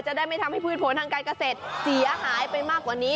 ได้ไม่ทำให้พืชผลทางการเกษตรเสียหายไปมากกว่านี้